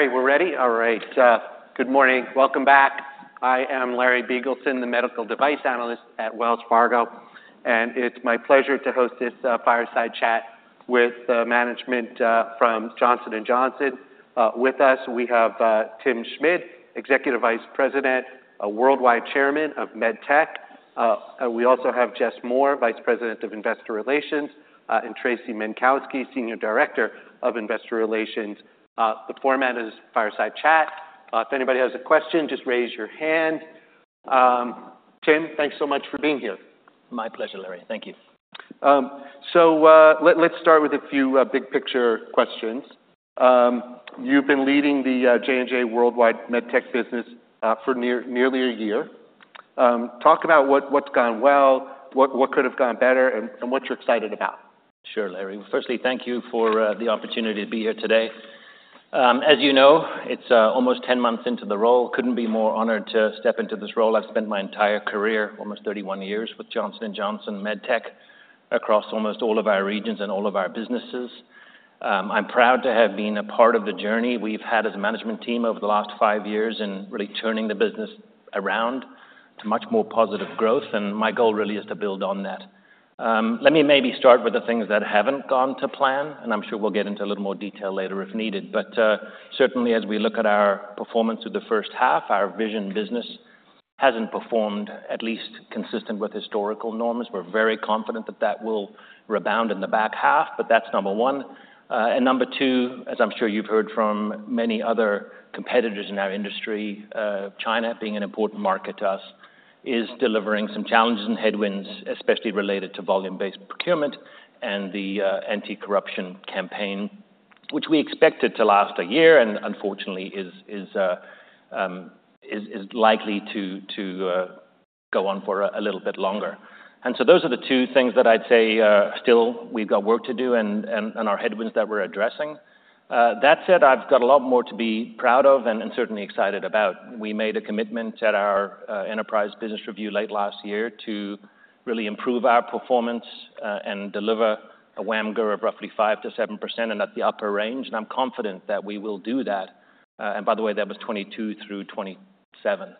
Larry, we're ready? All right. Good morning. Welcome back. I am Larry Biegelsen, the medical device analyst at Wells Fargo, and it's my pleasure to host this fireside chat with management from Johnson & Johnson. With us, we have Tim Schmid, Executive Vice President, Worldwide Chairman of MedTech. We also have Jess Moore, Vice President of Investor Relations, and Tracy Menkowski, Senior Director of Investor Relations. The format is fireside chat. If anybody has a question, just raise your hand. Tim, thanks so much for being here. My pleasure, Larry. Thank you. Let's start with a few big-picture questions. You've been leading the J&J Worldwide MedTech business for nearly a year. Talk about what's gone well, what could have gone better, and what you're excited about. Sure, Larry. Firstly, thank you for the opportunity to be here today. As you know, it's almost 10 months into the role. Couldn't be more honored to step into this role. I've spent my entire career, almost 31 years, with Johnson & Johnson MedTech across almost all of our regions and all of our businesses. I'm proud to have been a part of the journey we've had as a management team over the last 5 years in really turning the business around to much more positive growth, and my goal really is to build on that. Let me maybe start with the things that haven't gone to plan, and I'm sure we'll get into a little more detail later if needed. But certainly, as we look at our performance through the first half, our Vision business hasn't performed at least consistent with historical norms. We're very confident that that will rebound in the back half, but that's number one, and number two, as I'm sure you've heard from many other competitors in our industry, China, being an important market to us, is delivering some challenges and headwinds, especially related to Volume-Based Procurement and the Anti-Corruption campaign, which we expected to last a year and, unfortunately, is likely to go on for a little bit longer, and so those are the two things that I'd say, still, we've got work to do and our headwinds that we're addressing. That said, I've got a lot more to be proud of and certainly excited about. We made a commitment at our enterprise business review late last year to really improve our performance and deliver a WAMGR of roughly 5% to 7% and at the upper range, and I'm confident that we will do that. By the way, that was 2022 through 2027.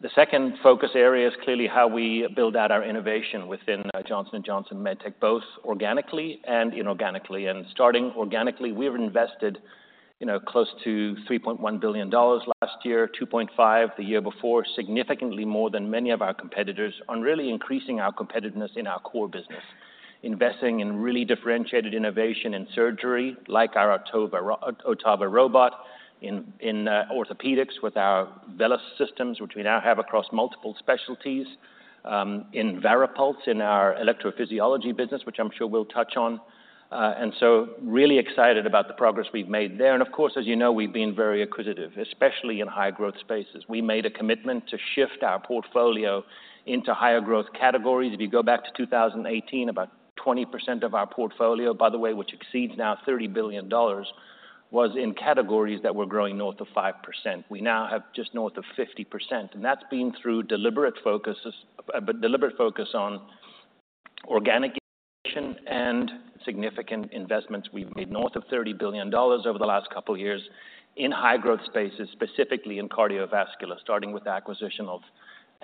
The second focus area is clearly how we build out our innovation within Johnson & Johnson MedTech, both organically and inorganically. Starting organically, we've invested, you know, close to $3.1 billion last year, $2.5 billion the year before, significantly more than many of our competitors, on really increasing our competitiveness in our core business. Investing in really differentiated innovation in surgery, like our OTTAVA Robot, in orthopedics with our VELYS systems, which we now have across multiple specialties, in VARIPULSE, in our electrophysiology business, which I'm sure we'll touch on. And so really excited about the progress we've made there. And of course, as you know, we've been very acquisitive, especially in high-growth spaces. We made a commitment to shift our portfolio into higher growth categories. If you go back to two thousand and eighteen, about 20% of our portfolio, by the way, which now exceeds $30 billion, was in categories that were growing north of 5%. We now have just north of 50%, and that's been through deliberate focuses, but deliberate focus on organic and significant investments. We've made north of $30 billion over the last couple of years in high-growth spaces, specifically in cardiovascular, starting with the acquisition of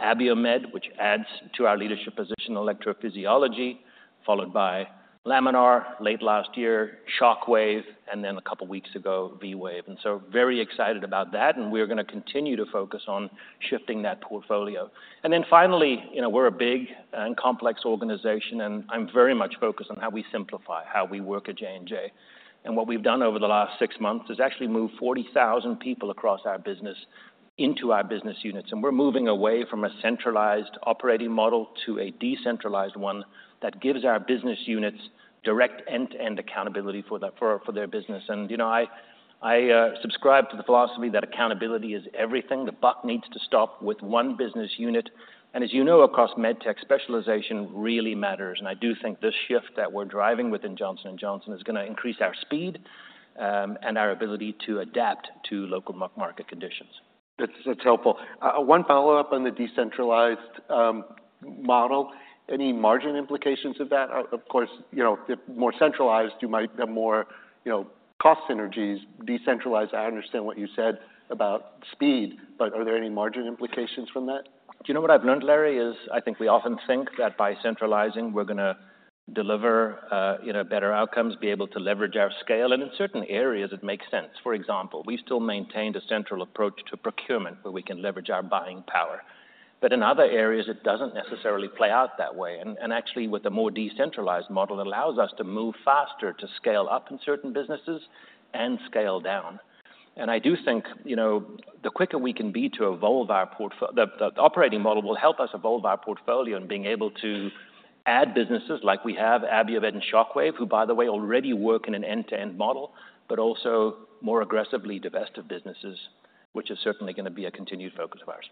Abiomed, which adds to our leadership position in electrophysiology, followed by Laminar late last year, Shockwave, and then a couple of weeks ago, V-Wave. So very excited about that, and we're gonna continue to focus on shifting that portfolio. Finally, you know, we're a big and complex organization, and I'm very much focused on how we simplify, how we work at J&J. What we've done over the last six months is actually move 40,000 people across our business into our business units, and we're moving away from a centralized operating model to a decentralized one that gives our business units direct end-to-end accountability for their business. You know, I subscribe to the philosophy that accountability is everything. The buck needs to stop with one business unit. As you know, across MedTech, specialization really matters, and I do think this shift that we're driving within Johnson & Johnson is gonna increase our speed, and our ability to adapt to local market conditions. That's, that's helpful. One follow-up on the decentralized model. Any margin implications of that? Of course, you know, if more centralized, you might have more, you know, cost synergies. Decentralized, I understand what you said about speed, but are there any margin implications from that? Do you know what I've learned, Larry, is I think we often think that by centralizing, we're gonna deliver, you know, better outcomes, be able to leverage our scale, and in certain areas, it makes sense. For example, we still maintained a central approach to procurement, where we can leverage our buying power. But in other areas, it doesn't necessarily play out that way, and actually, with the more decentralized model, allows us to move faster, to scale up in certain businesses and scale down. I do think, you know, the quicker we can be to evolve our portfolio, the operating model will help us evolve our portfolio and being able to add businesses like we have, Abiomed and Shockwave, who, by the way, already work in an end-to-end model, but also more aggressively divest of businesses, which is certainly gonna be a continued focus of ours.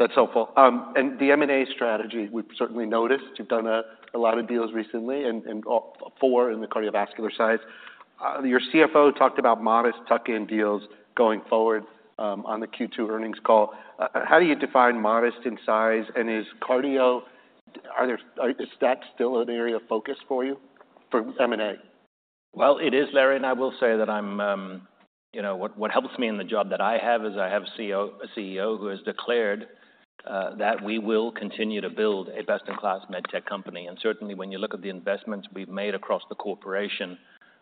That's helpful. And the M&A strategy, we've certainly noticed you've done a lot of deals recently and four in the cardiovascular side. Your CFO talked about modest tuck-in deals going forward on the Q2 earnings call. How do you define modest in size, and is cardiovascular still an area of focus for you, for M&A? It is, Larry, and I will say that I'm, you know, what helps me in the job that I have, is I have a CEO who has declared that we will continue to build a best-in-class MedTech company. And certainly when you look at the investments we've made across the corporation,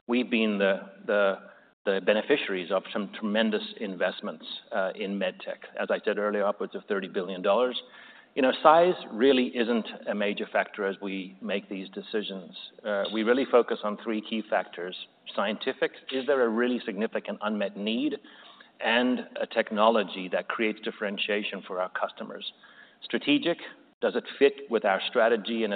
we've been the beneficiaries of some tremendous investments in medtech. As I said earlier, upwards of $30 billion. You know, size really isn't a major factor as we make these decisions. We really focus on three key factors: scientific, is there a really significant unmet need and a technology that creates differentiation for our customers? Strategic, does it fit with our strategy, and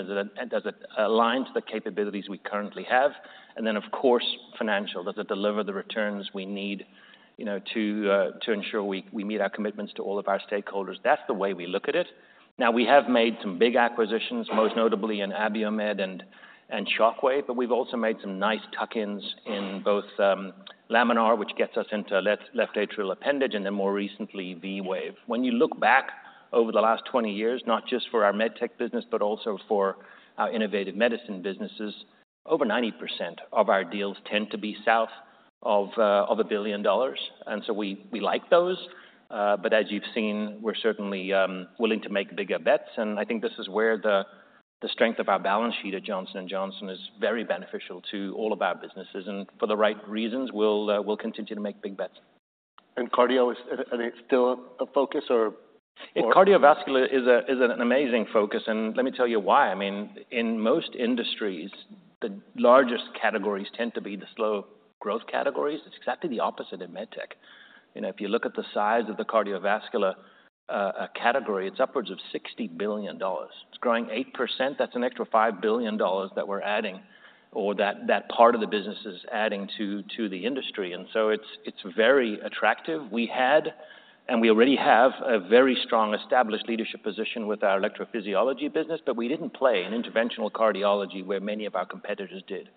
does it align to the capabilities we currently have? And then, of course, financial, does it deliver the returns we need, you know, to ensure we meet our commitments to all of our stakeholders? That's the way we look at it. Now, we have made some big acquisitions, most notably in Abiomed and Shockwave, but we've also made some nice tuck-ins in both Laminar, which gets us into left atrial appendage, and then more recently, V-Wave. When you look back over the last twenty years, not just for our med tech business, but also for our innovative medicine businesses, over 90% of our deals tend to be south of $1 billion, and so we like those. But as you've seen, we're certainly willing to make bigger bets, and I think this is where the strength of our balance sheet at Johnson & Johnson is very beneficial to all of our businesses, and for the right reasons, we'll continue to make big bets. Cardio, is it still a focus or? Yeah, cardiovascular is a, is an amazing focus, and let me tell you why. I mean, in most industries, the largest categories tend to be the slow growth categories. It's exactly the opposite in med tech. You know, if you look at the size of the cardiovascular category, it's upwards of $60 billion. It's growing 8%. That's an extra $5 billion that we're adding or that part of the business is adding to the industry, and so it's very attractive. We had, and we already have a very strong established leadership position with our electrophysiology business, but we didn't play in interventional cardiology, where many of our competitors did.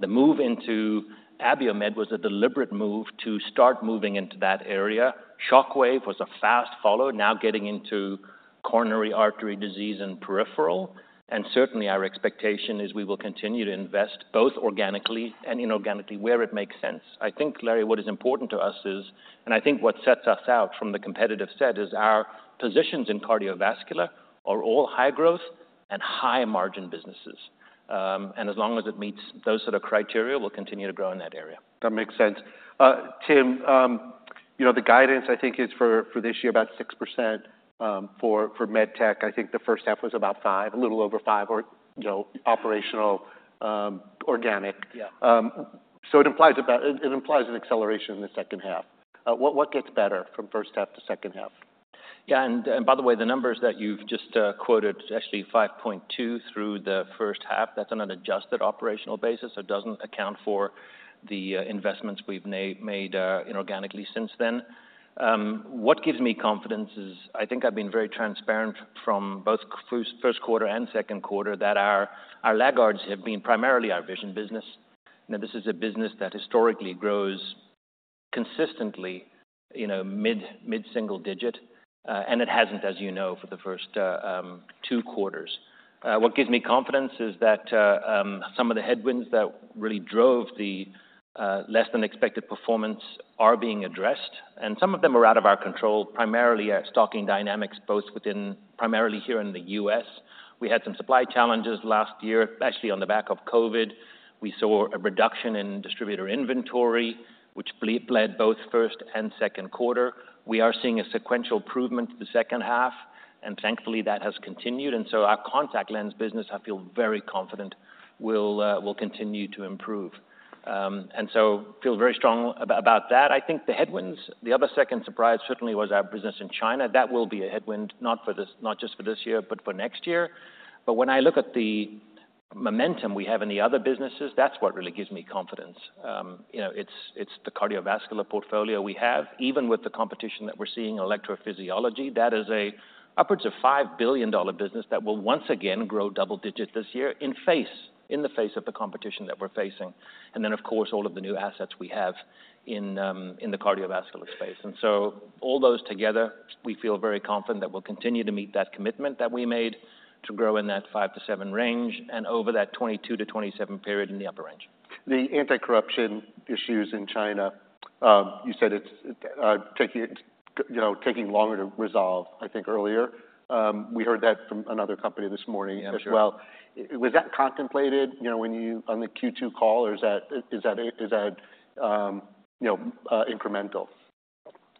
The move into Abiomed was a deliberate move to start moving into that area. Shockwave was a fast follow, now getting into coronary artery disease and peripheral. Certainly our expectation is we will continue to invest, both organically and inorganically, where it makes sense. I think, Larry, what is important to us is, and I think what sets us apart from the competitive set, is our positions in cardiovascular are all high growth and high margin businesses. As long as it meets those sort of criteria, we'll continue to grow in that area. That makes sense. Tim, you know, the guidance, I think, is for this year, about 6%, for MedTech. I think the first half was about 5%, a little over 5% or, you know, operational organic. Yeah. So it implies an acceleration in the second half. What gets better from first half to second half? Yeah, and by the way, the numbers that you've just quoted, actually 5.2 through the first half, that's on an adjusted operational basis, so it doesn't account for the investments we've made inorganically since then. What gives me confidence is, I think I've been very transparent from both first quarter and second quarter, that our laggards have been primarily our vision business. You know, this is a business that historically grows consistently, you know, mid-single digit, and it hasn't, as you know, for the first two quarters. What gives me confidence is that some of the headwinds that really drove the less-than-expected performance are being addressed, and some of them are out of our control, primarily our stocking dynamics, primarily here in the U.S. We had some supply challenges last year. Actually, on the back of COVID, we saw a reduction in distributor inventory, which bled both first and second quarter. We are seeing a sequential improvement the second half, and thankfully, that has continued. And so our contact lens business, I feel very confident will will continue to improve. And so feel very strong about that. I think the headwinds, the other second surprise certainly was our business in China. That will be a headwind, not for this- not just for this year, but for next year. But when I look at the momentum we have in the other businesses, that's what really gives me confidence. You know, it's the cardiovascular portfolio we have, even with the competition that we're seeing in electrophysiology, that is upwards of a $5 billion business that will once again grow double digits this year, in the face of the competition that we're facing. And then, of course, all of the new assets we have in the cardiovascular space. And so all those together, we feel very confident that we'll continue to meet that commitment that we made to grow in that 5 to 7 range and over that 2022 to 2027 period in the upper range. The anti-corruption issues in China, you said it's taking longer to resolve, I think earlier. We heard that from another company this morning Yeah, sure. as well. Was that contemplated, you know, when you, on the Q2 call, or is that, you know, incremental?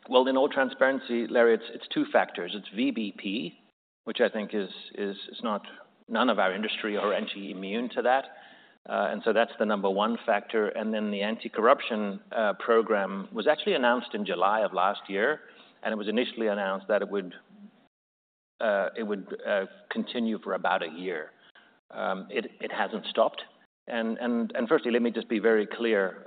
In all transparency, Larry, it's two factors. It's VBP, which I think is none of our industry are actually immune to that, and so that's the number one factor. Then the Anti-Corruption program was actually announced in July of last year, and it was initially announced that it would continue for about a year. It hasn't stopped. And firstly, let me just be very clear,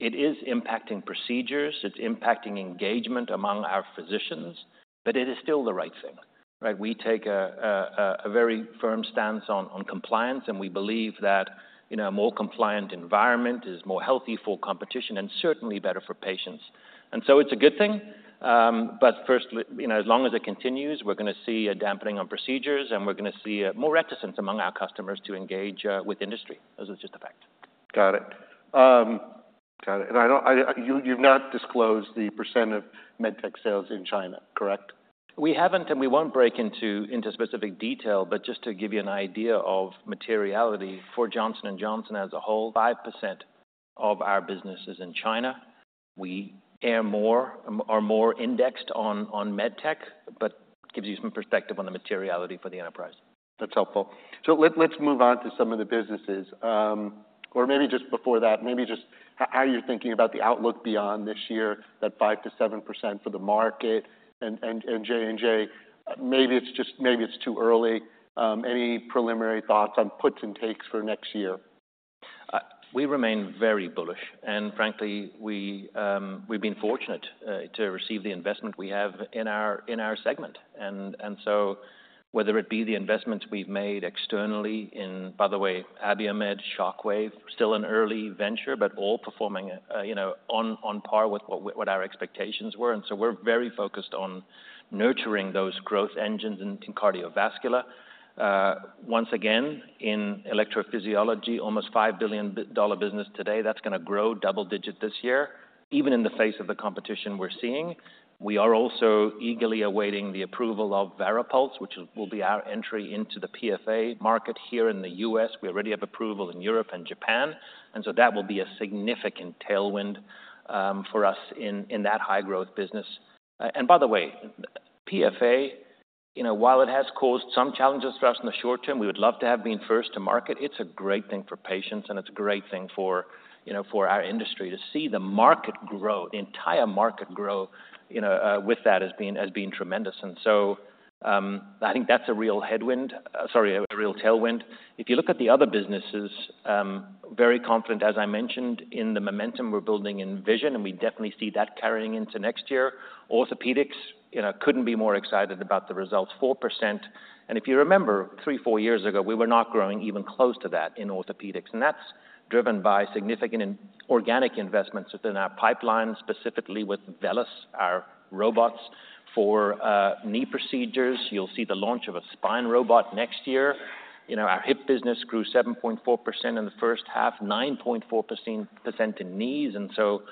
it is impacting procedures, it's impacting engagement among our physicians, but it is still the right thing, right? We take a very firm stance on compliance, and we believe that, you know, a more compliant environment is more healthy for competition and certainly better for patients. And so it's a good thing, but firstly, you know, as long as it continues, we're gonna see a dampening on procedures, and we're gonna see more reticence among our customers to engage with industry. This is just a fact. Got it. Got it. And you've not disclosed the percent of MedTech sales in China, correct? We haven't, and we won't break into specific detail, but just to give you an idea of materiality, for Johnson & Johnson as a whole, 5% of our business is in China. We are more indexed on med tech, but gives you some perspective on the materiality for the enterprise. That's helpful. So let's move on to some of the businesses. Or maybe just before that, maybe just how you're thinking about the outlook beyond this year, that 5% to 7% for the market and J&J, maybe it's just, maybe it's too early. Any preliminary thoughts on puts and takes for next year? We remain very bullish, and frankly, we, we've been fortunate to receive the investment we have in our, in our segment. And so whether it be the investments we've made externally in. By the way, Abiomed, Shockwave, still an early venture, but all performing, you know, on par with what our expectations were, and so we're very focused on nurturing those growth engines in cardiovascular. Once again, in electrophysiology, almost $5 billion dollar business today, that's gonna grow double digit this year, even in the face of the competition we're seeing. We are also eagerly awaiting the approval of VARIPULSE, which will be our entry into the PFA market here in the U.S. We already have approval in Europe and Japan, and so that will be a significant tailwind for us in that high-growth business. And by the way, PFA, you know, while it has caused some challenges for us in the short term, we would love to have been first to market. It's a great thing for patients, and it's a great thing for, you know, for our industry. To see the market grow, the entire market grow, you know, with that has been tremendous. So, I think that's a real headwind, sorry, a real tailwind. If you look at the other businesses, very confident, as I mentioned, in the momentum we're building in vision, and we definitely see that carrying into next year. Orthopedics, you know, couldn't be more excited about the results, 4%. If you remember, three, four years ago, we were not growing even close to that in orthopedics, and that's driven by significant inorganic investments within our pipeline, specifically with VELYS, our robots for knee procedures. You'll see the launch of a spine robot next year. You know, our hip business grew 7.4% in the first half, 9.4% in knees. And so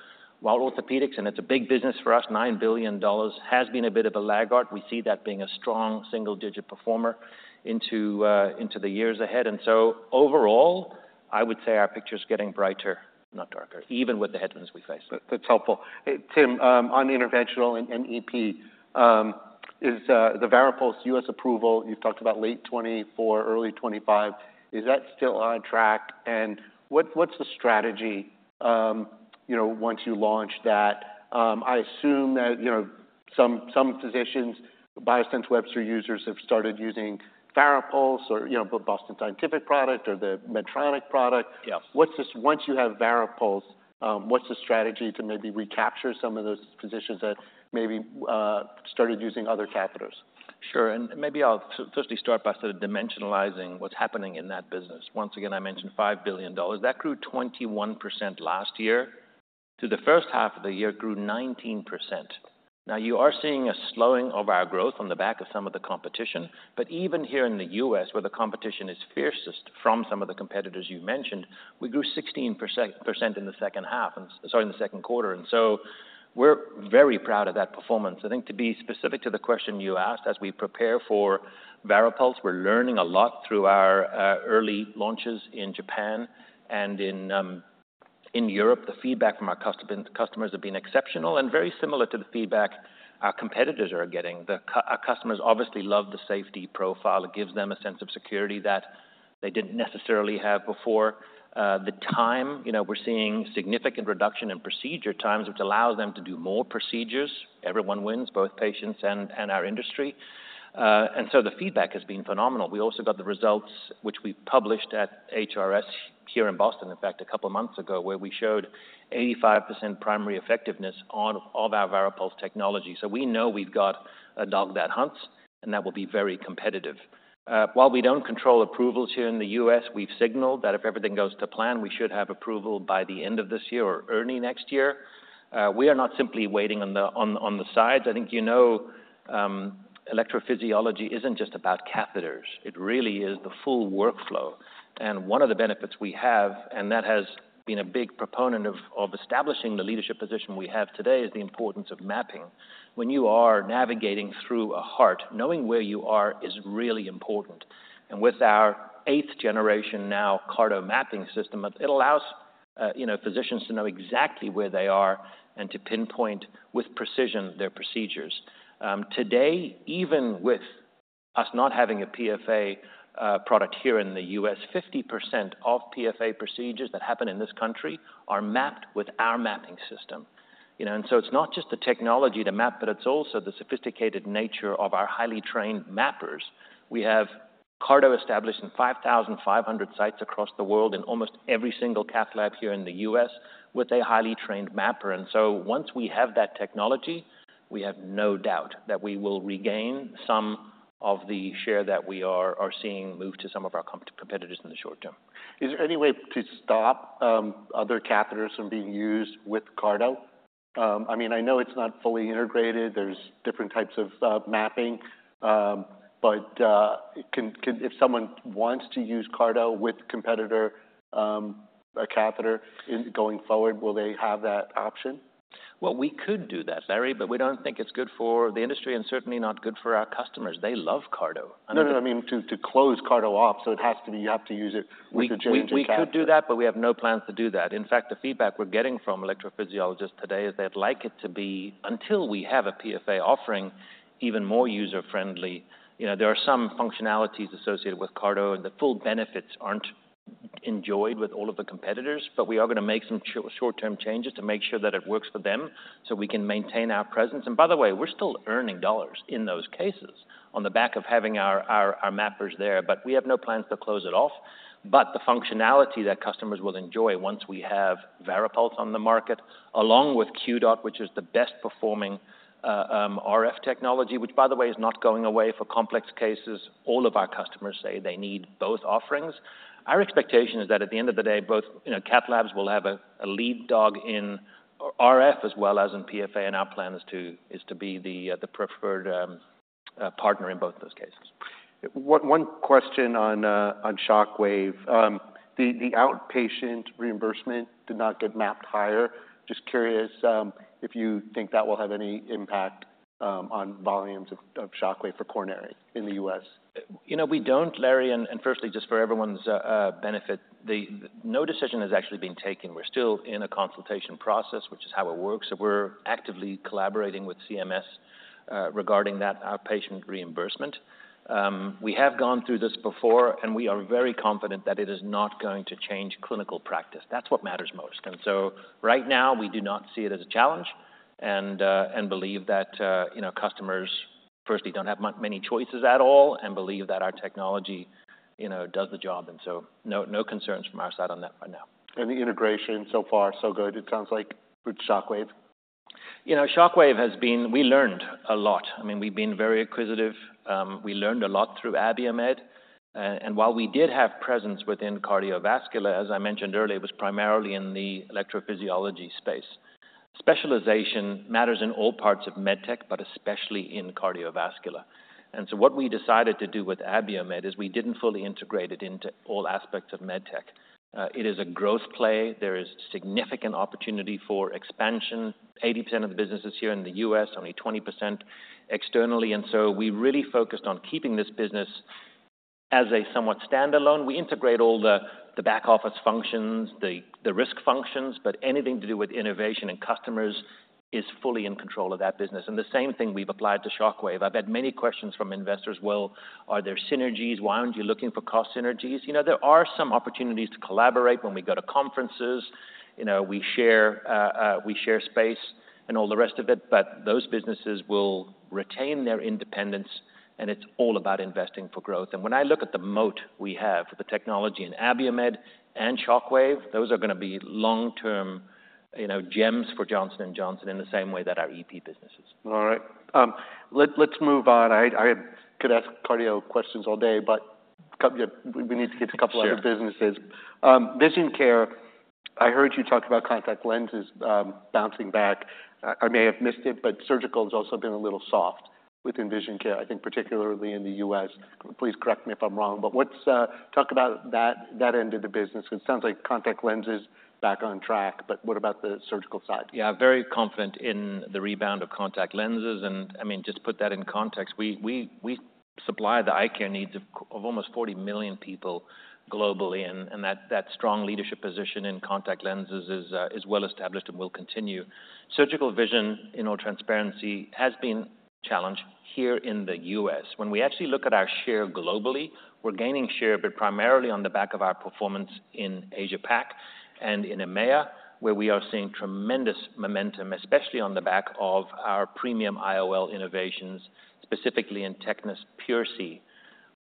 while orthopedics, and it's a big business for us, $9 billion, has been a bit of a laggard. We see that being a strong single-digit performer into the years ahead. And so overall, I would say our picture's getting brighter, not darker, even with the headwinds we face. That's helpful. Hey, Tim, on the interventional and EP, is the VARIPULSE U.S. approval, you've talked about late 2024, early 2025. Is that still on track? And what's the strategy, you know, once you launch that? I assume that, you know, some physicians, Biosense Webster users, have started using VARIPULSE or, you know, the Boston Scientific product or the Medtronic product. Yes. Once you have VARIPULSE, what's the strategy to maybe recapture some of those physicians that maybe started using other catheters? Sure. And maybe I'll firstly start by sort of dimensionalizing what's happening in that business. Once again, I mentioned $5 billion. That grew 21% last year, to the first half of the year, grew 19%. Now, you are seeing a slowing of our growth on the back of some of the competition, but even here in the U.S., where the competition is fiercest from some of the competitors you mentioned, we grew 16% in the second quarter, and so we're very proud of that performance. I think to be specific to the question you asked, as we prepare for VARIPULSE, we're learning a lot through our early launches in Japan and in Europe. The feedback from our customers have been exceptional and very similar to the feedback our competitors are getting. Our customers obviously love the safety profile. It gives them a sense of security that they didn't necessarily have before. The time, you know, we're seeing significant reduction in procedure times, which allows them to do more procedures. Everyone wins, both patients and our industry. And so the feedback has been phenomenal. We also got the results, which we published at HRS here in Boston, in fact, a couple of months ago, where we showed 85% primary effectiveness on all of our VARIPULSE technology. So we know we've got a dog that hunts, and that will be very competitive. While we don't control approvals here in the U.S., we've signaled that if everything goes to plan, we should have approval by the end of this year or early next year. We are not simply waiting on the sidelines. I think you know, electrophysiology isn't just about catheters. It really is the full workflow. And one of the benefits we have, and that has been a big proponent of, of establishing the leadership position we have today, is the importance of mapping. When you are navigating through a heart, knowing where you are is really important. And with our eighth generation now, CARTO mapping system, it allows, you know, physicians to know exactly where they are and to pinpoint with precision their procedures. Today, even with us not having a PFA, product here in the U.S., 50% of PFA procedures that happen in this country are mapped with our mapping system. You know, and so it's not just the technology to map, but it's also the sophisticated nature of our highly trained mappers. We have CARTO established in 5,500 sites across the world in almost every single cath lab here in the U.S. with a highly trained mapper, and so once we have that technology, we have no doubt that we will regain some of the share that we are seeing move to some of our competitors in the short term. Is there any way to stop other catheters from being used with CARTO? I mean, I know it's not fully integrated. There's different types of mapping, but can if someone wants to use CARTO with competitor a catheter going forward, will they have that option? We could do that, Larry, but we don't think it's good for the industry and certainly not good for our customers. They love CARTO. No, no, I mean to close CARTO off, so it has to be. You have to use it with the J&J catheter. We could do that, but we have no plans to do that. In fact, the feedback we're getting from electrophysiologists today is they'd like it to be, until we have a PFA offering, even more user-friendly. You know, there are some functionalities associated with CARTO, and the full benefits aren't enjoyed with all of the competitors, but we are gonna make some short-term changes to make sure that it works for them, so we can maintain our presence, and by the way, we're still earning dollars in those cases on the back of having our mappers there, but we have no plans to close it off, but the functionality that customers will enjoy once we have VARIPULSE on the market, along with QDOT, which is the best performing RF technology, which by the way, is not going away for complex cases. All of our customers say they need both offerings. Our expectation is that at the end of the day, both, you know, Cath Labs will have a lead dog in RF as well as in PFA, and our plan is to be the preferred partner in both those cases. One question on Shockwave. The outpatient reimbursement did not get mapped higher. Just curious if you think that will have any impact on volumes of Shockwave for coronary in the U.S.? You know, we don't, Larry, and, and firstly, just for everyone's benefit, no decision has actually been taken. We're still in a consultation process, which is how it works, and we're actively collaborating with CMS regarding that outpatient reimbursement. We have gone through this before, and we are very confident that it is not going to change clinical practice. That's what matters most. And so right now, we do not see it as a challenge, and believe that you know, customers, firstly, don't have many choices at all, and believe that our technology, you know, does the job. And so no, no concerns from our side on that for now. The integration so far, so good, it sounds like, with Shockwave? You know, Shockwave has been. We learned a lot. I mean, we've been very acquisitive. We learned a lot through Abiomed. And while we did have presence within cardiovascular, as I mentioned earlier, it was primarily in the electrophysiology space. Specialization matters in all parts of med tech, but especially in cardiovascular. And so what we decided to do with Abiomed is we didn't fully integrate it into all aspects of med tech. It is a growth play. There is significant opportunity for expansion. 80% of the business is here in the U.S., only 20% externally, and so we really focused on keeping this business as a somewhat standalone. We integrate all the back office functions, the risk functions, but anything to do with innovation and customers is fully in control of that business. And the same thing we've applied to Shockwave. I've had many questions from investors: "Well, are there synergies? Why aren't you looking for cost synergies?" You know, there are some opportunities to collaborate when we go to conferences. You know, we share space and all the rest of it, but those businesses will retain their independence, and it's all about investing for growth. And when I look at the moat we have for the technology in Abiomed and Shockwave, those are gonna be long-term, you know, gems for Johnson & Johnson in the same way that our EP business is. All right. Let's move on. I could ask cardio questions all day, but couple. We need to get to a couple Sure. other businesses. Vision Care, I heard you talk about contact lenses bouncing back. I may have missed it, but surgical has also been a little soft within Vision Care, I think, particularly in the U.S. Please correct me if I'm wrong, but talk about that end of the business. It sounds like contact lens is back on track, but what about the surgical side? Yeah, very confident in the rebound of contact lenses, and I mean, just put that in context, we supply the eye care needs of almost forty million people globally, and that strong leadership position in contact lenses is well established and will continue. Surgical vision, in all transparency, has been challenged here in the U.S. When we actually look at our share globally, we're gaining share, but primarily on the back of our performance in Asia Pac and in EMEA, where we are seeing tremendous momentum, especially on the back of our premium IOL innovations, specifically in TECNIS PureSee.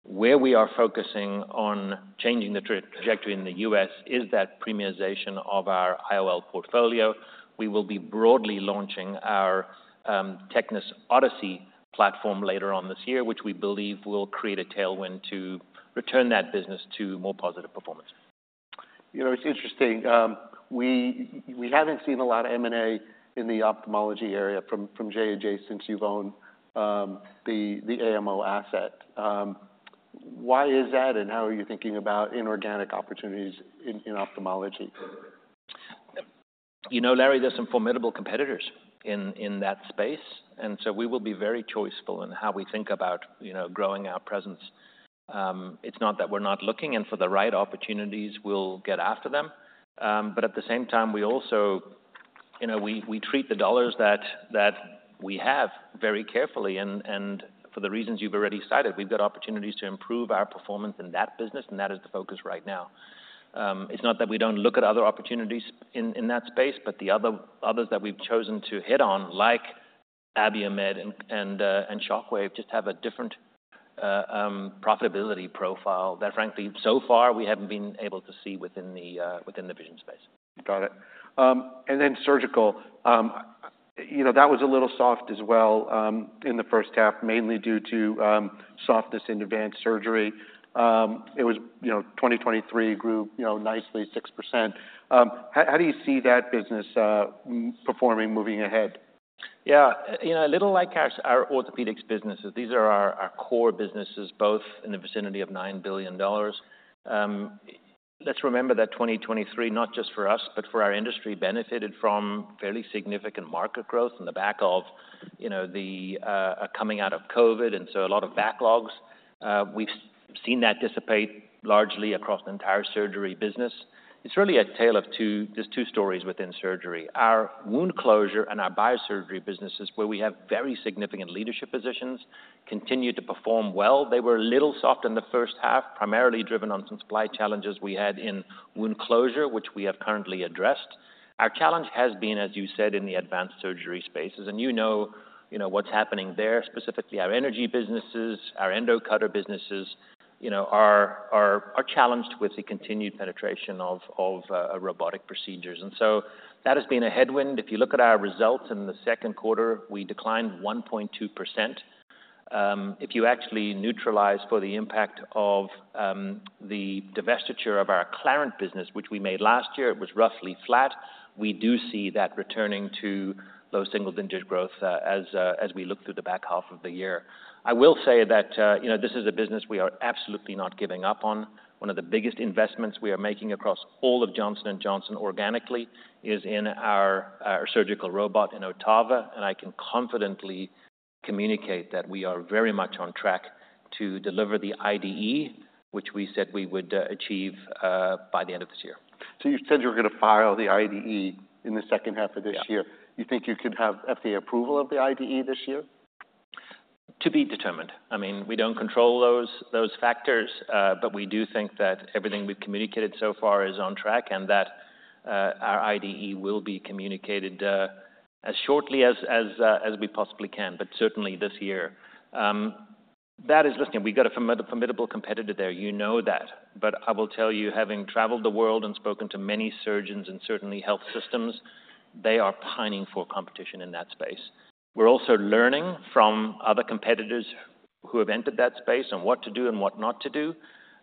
Where we are focusing on changing the trajectory in the U.S. is that premiumization of our IOL portfolio. We will be broadly launching our, TECNIS Odyssey platform later on this year, which we believe will create a tailwind to return that business to more positive performance. You know, it's interesting. We haven't seen a lot of M&A in the ophthalmology area from J&J since you've owned the AMO asset. Why is that, and how are you thinking about inorganic opportunities in ophthalmology? You know, Larry, there's some formidable competitors in that space, and so we will be very choiceful in how we think about, you know, growing our presence. It's not that we're not looking, and for the right opportunities, we'll get after them. But at the same time, we also, you know, we treat the dollars that we have very carefully, and for the reasons you've already cited, we've got opportunities to improve our performance in that business, and that is the focus right now. It's not that we don't look at other opportunities in that space, but the others that we've chosen to hit on, like Abiomed and Shockwave, just have a different profitability profile that, frankly, so far, we haven't been able to see within the vision space. Got it. And then surgical. You know, that was a little soft as well, in the first half, mainly due to softness in advanced surgery. It was, you know, 2023 grew, you know, nicely, 6%. How do you see that business performing moving ahead? Yeah, you know, a little like our orthopedics businesses, these are our core businesses, both in the vicinity of $9 billion. Let's remember that 2023, not just for us, but for our industry, benefited from fairly significant market growth on the back of, you know, the coming out of COVID, and so a lot of backlogs. We've seen that dissipate largely across the entire surgery business. It's really a tale of two, just two stories within surgery. Our wound closure and our biosurgery businesses, where we have very significant leadership positions, continue to perform well. They were a little soft in the first half, primarily driven on some supply challenges we had in wound closure, which we have currently addressed. Our challenge has been, as you said, in the advanced surgery spaces, and you know what's happening there, specifically our energy businesses, our endocutter businesses, you know, are challenged with the continued penetration of robotic procedures, and so that has been a headwind. If you look at our results in the second quarter, we declined 1.2%. If you actually neutralize for the impact of the divestiture of our Acclarent business, which we made last year, it was roughly flat. We do see that returning to low single-digit growth, as we look through the back half of the year. I will say that, you know, this is a business we are absolutely not giving up on. One of the biggest investments we are making across all of Johnson & Johnson organically is in our surgical robot in OTTAVA, and I can confidently communicate that we are very much on track to deliver the IDE, which we said we would achieve by the end of this year. So you said you were going to file the IDE in the second half of this year? Yeah. You think you could have FDA approval of the IDE this year? To be determined. I mean, we don't control those factors, but we do think that everything we've communicated so far is on track, and that our IDE will be communicated as shortly as we possibly can, but certainly this year. That is, listen, we've got a formidable competitor there, you know that. But I will tell you, having traveled the world and spoken to many surgeons and certainly health systems, they are pining for competition in that space. We're also learning from other competitors who have entered that space on what to do and what not to do,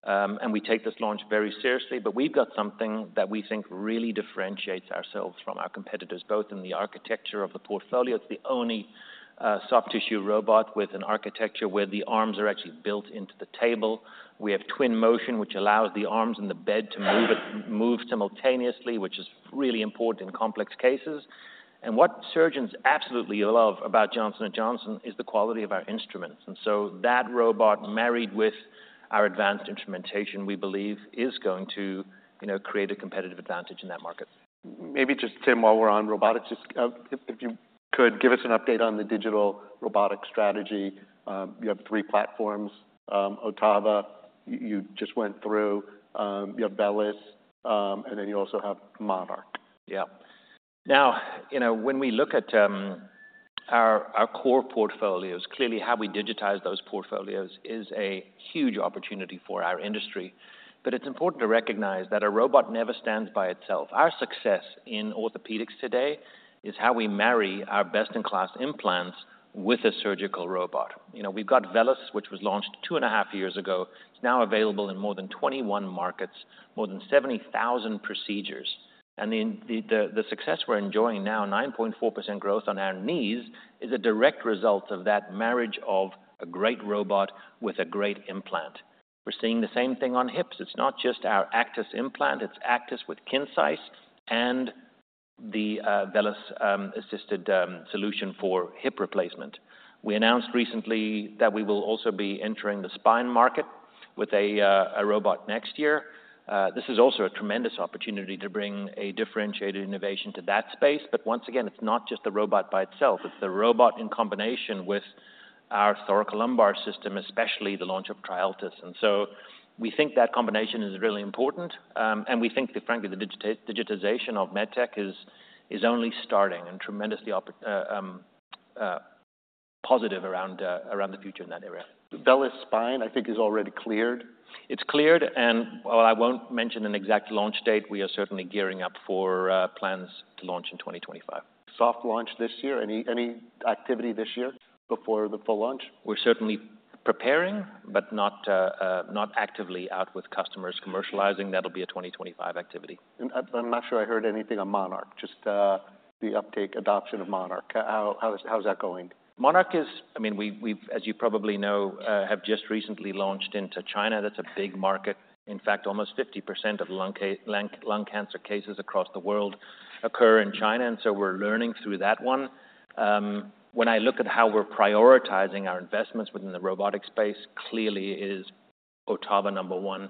and we take this launch very seriously. But we've got something that we think really differentiates ourselves from our competitors, both in the architecture of the portfolio. It's the only soft tissue robot with an architecture where the arms are actually built into the table. We have twin motion, which allows the arms and the bed to move simultaneously, which is really important in complex cases. And what surgeons absolutely love about Johnson & Johnson is the quality of our instruments. And so that robot, married with our advanced instrumentation, we believe is going to, you know, create a competitive advantage in that market. Maybe just, Tim, while we're on robotics, just, if you could, give us an update on the digital robotic strategy. You have three platforms, OTTAVA, you just went through, you have VELYS, and then you also have MONARCH. Yeah. Now, you know, when we look at our core portfolios, clearly how we digitize those portfolios is a huge opportunity for our industry. But it's important to recognize that a robot never stands by itself. Our success in orthopedics today is how we marry our best-in-class implants with a surgical robot. You know, we've got VELYS, which was launched two and a half years ago. It's now available in more than 21 markets, more than 70,000 procedures. And the success we're enjoying now, 9.4% growth on our knees, is a direct result of that marriage of a great robot with a great implant. We're seeing the same thing on hips. It's not just our ACTIS implant, it's ACTIS with KINCISE and the VELYS assisted solution for hip replacement. We announced recently that we will also be entering the spine market with a robot next year. This is also a tremendous opportunity to bring a differentiated innovation to that space, but once again, it's not just the robot by itself, it's the robot in combination with our thoracolumbar system, especially the launch of TriALTIS, and so we think that combination is really important, and we think that, frankly, the digitization of med tech is only starting and tremendously positive around the future in that area. VELYS Spine, I think, is already cleared? It's cleared, and while I won't mention an exact launch date, we are certainly gearing up for plans to launch in 2025. Soft launch this year? Any activity this year before the full launch? We're certainly preparing, but not actively out with customers commercializing. That'll be a 2025 activity. I'm not sure I heard anything on MONARCH, just the uptake adoption of MONARCH. How's that going? I mean, we have, as you probably know, just recently launched into China. That's a big market. In fact, almost 50% of lung cancer cases across the world occur in China, and so we're learning through that one. When I look at how we're prioritizing our investments within the robotic space, clearly it is OTTAVA number one,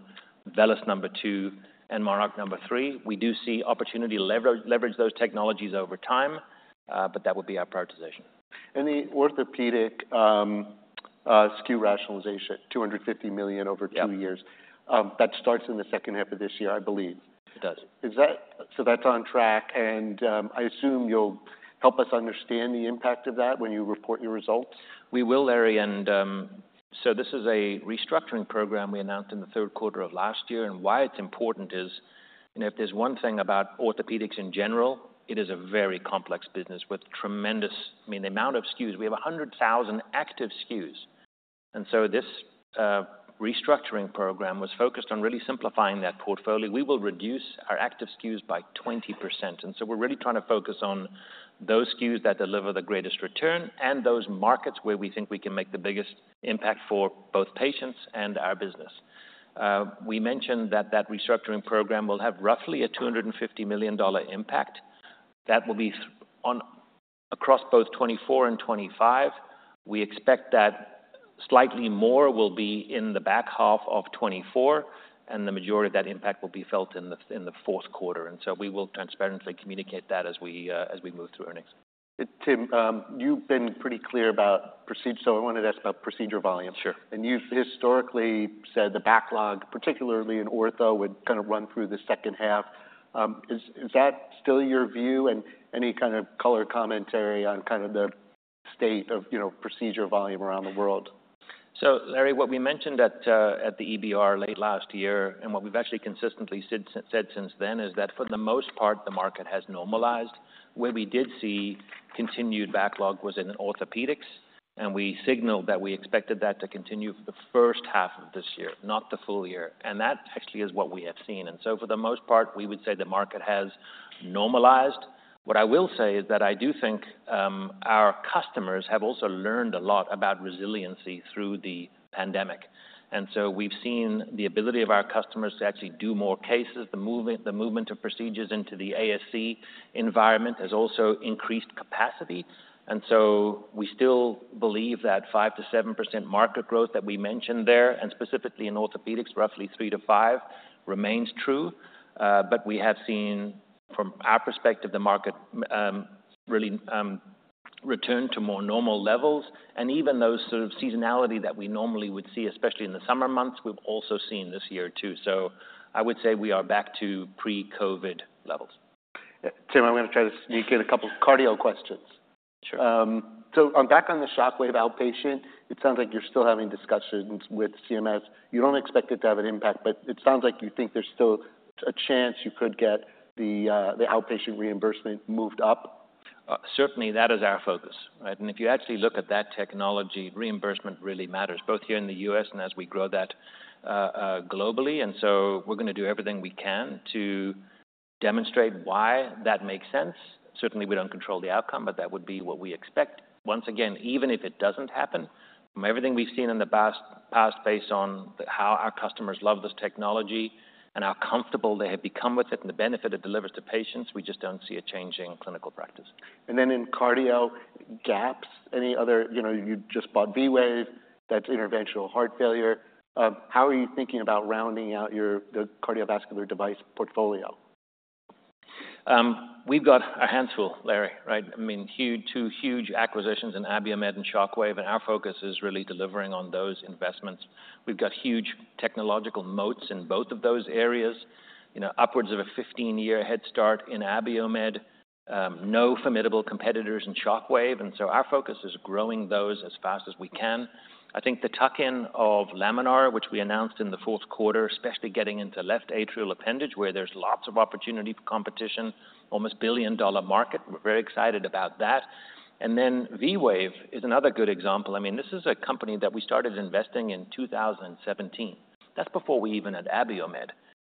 VELYS number two, and MONARCH number three. We do see opportunity to leverage those technologies over time, but that would be our prioritization. And the orthopedic SKU rationalization, $250 million over two years. Yeah. That starts in the second half of this year, I believe. It does. Is that so? That's on track, and I assume you'll help us understand the impact of that when you report your results? We will, Larry. And so this is a restructuring program we announced in the third quarter of last year. And why it's important is, you know, if there's one thing about orthopedics in general, it is a very complex business with tremendous. I mean, the amount of SKUs, we have 100,000 active SKUs. And so this restructuring program was focused on really simplifying that portfolio. We will reduce our active SKUs by 20%. And so we're really trying to focus on those SKUs that deliver the greatest return and those markets where we think we can make the biggest impact for both patients and our business. We mentioned that that restructuring program will have roughly a $250 million impact. That will be across both 2024 and 2025. We expect that slightly more will be in the back half of 2024, and the majority of that impact will be felt in the fourth quarter, and so we will transparently communicate that as we move through earnings. Tim, you've been pretty clear about procedures, so I wanted to ask about procedure volume. Sure. And you've historically said the backlog, particularly in ortho, would kind of run through the second half. Is that still your view? And any kind of color commentary on kind of the state of, you know, procedure volume around the world? So Larry, what we mentioned at the EBR late last year, and what we've actually consistently said since then, is that for the most part, the market has normalized. Where we did see continued backlog was in orthopedics, and we signaled that we expected that to continue for the first half of this year, not the full year, and that actually is what we have seen. And so for the most part, we would say the market has normalized. What I will say is that I do think our customers have also learned a lot about resiliency through the pandemic. And so we've seen the ability of our customers to actually do more cases. The movement of procedures into the ASC environment has also increased capacity. And so we still believe that 5 to 7% market growth that we mentioned there, and specifically in orthopedics, roughly 3 to 5, remains true. But we have seen, from our perspective, the market, really, return to more normal levels. And even those sort of seasonality that we normally would see, especially in the summer months, we've also seen this year, too. So I would say we are back to pre-COVID levels. Yeah. Tim, I'm gonna try to sneak in a couple cardio questions. Sure. So on back on the Shockwave outpatient, it sounds like you're still having discussions with CMS. You don't expect it to have an impact, but it sounds like you think there's still a chance you could get the outpatient reimbursement moved up. Certainly, that is our focus, right? And if you actually look at that technology, reimbursement really matters, both here in the U.S. and as we grow that globally. And so we're gonna do everything we can to demonstrate why that makes sense. Certainly, we don't control the outcome, but that would be what we expect. Once again, even if it doesn't happen, from everything we've seen in the past, based on how our customers love this technology and how comfortable they have become with it and the benefit it delivers to patients, we just don't see a change in clinical practice. And then in cardio gaps, any other, you know, you just bought V-Wave, that's interventional heart failure. How are you thinking about rounding out your, the cardiovascular device portfolio? We've got our hands full, Larry, right? I mean, huge, two huge acquisitions in Abiomed and Shockwave, and our focus is really delivering on those investments. We've got huge technological moats in both of those areas. You know, upwards of a 15-year head start in Abiomed. No formidable competitors in Shockwave, and so our focus is growing those as fast as we can. I think the tuck-in of Laminar, which we announced in the fourth quarter, especially getting into left atrial appendage, where there's lots of opportunity for competition, almost billion-dollar market, we're very excited about that. And then V-Wave is another good example. I mean, this is a company that we started investing in two thousand and seventeen. That's before we even had Abiomed.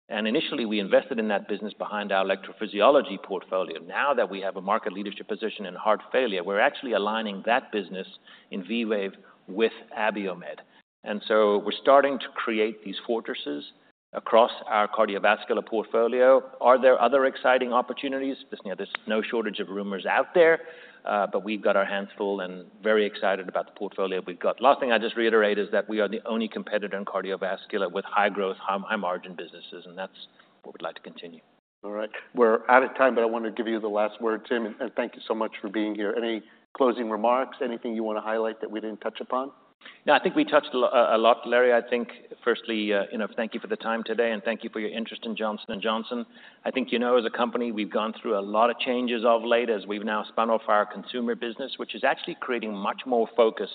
And initially, we invested in that business behind our electrophysiology portfolio. Now that we have a market leadership position in heart failure, we're actually aligning that business in V-Wave with Abiomed. And so we're starting to create these fortresses across our cardiovascular portfolio. Are there other exciting opportunities? Listen, there's no shortage of rumors out there, but we've got our hands full and very excited about the portfolio we've got. Last thing I'll just reiterate is that we are the only competitor in cardiovascular with high growth, high, high margin businesses, and that's what we'd like to continue. All right. We're out of time, but I want to give you the last word, Tim, and thank you so much for being here. Any closing remarks? Anything you want to highlight that we didn't touch upon? No, I think we touched a lot, Larry. I think firstly, you know, thank you for the time today, and thank you for your interest in Johnson & Johnson. I think you know, as a company, we've gone through a lot of changes of late, as we've now spun off our consumer business, which is actually creating much more focus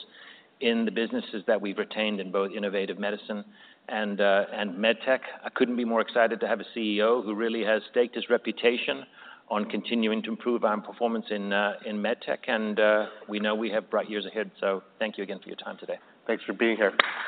in the businesses that we've retained in both Innovative Medicine and MedTech. I couldn't be more excited to have a CEO who really has staked his reputation on continuing to improve our performance in MedTech, and we know we have bright years ahead, so thank you again for your time today. Thanks for being here.